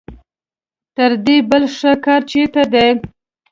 تر دې بل ښه کار چېرته دی.